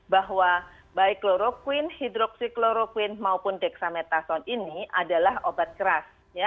bahwa baik kloroquine hidroksikloroquine maupun dexamethasone ini adalah obat keras